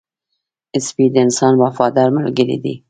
سپی د انسان وفادار ملګری دی